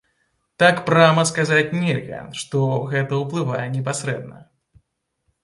Так прама сказаць нельга, што гэта ўплывае непасрэдна.